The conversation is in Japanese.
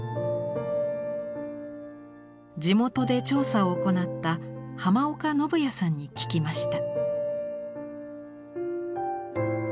地元で調査を行った濱岡伸也さんに聞きました。